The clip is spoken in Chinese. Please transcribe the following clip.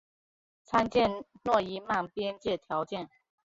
参见诺伊曼边界条件。